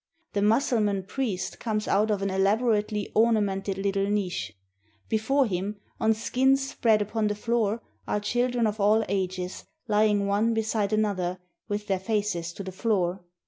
The Mussulman priest comes out of an elaborately ornamented little niche. Before him, on skins spread upon the floor, are children of all ages, lying one beside another, with their faces to the floor.